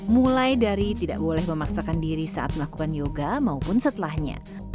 mulai dari tidak boleh memaksakan diri saat melakukan yoga maupun setelahnya